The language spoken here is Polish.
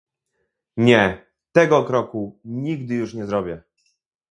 "Nie, tego kroku nigdy już nie zrobię!"